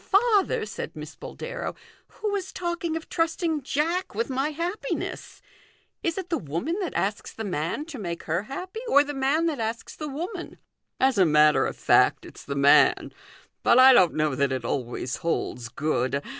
" Father," said Miss Boldero, " who is talking of trusting Jack with my happiness ? Is it the 306 THE GOLDEN RULE. woman that asks the man to make her happy, or the man that asks the woman ?"" As a matter of fact it's the man ; but I don't know that it always holds good.